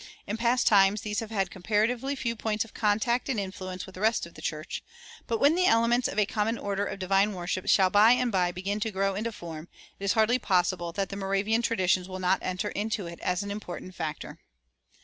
In past times these have had comparatively few points of contact and influence with the rest of the church; but when the elements of a common order of divine worship shall by and by begin to grow into form, it is hardly possible that the Moravian traditions will not enter into it as an important factor.